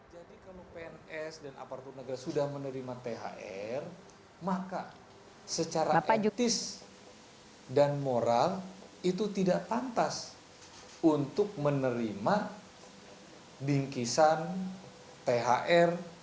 jadi kalau pns dan aparatur negara sudah menerima thr maka secara etis dan moral itu tidak pantas untuk menerima bingkisan thr